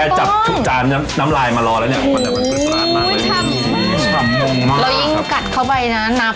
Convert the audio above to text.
ถ้าจับทุกจานน้ำลายมารอแล้วเนี่ยมันจะเป็นปลามากเลย